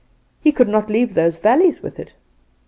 He could not leave those valleys with it.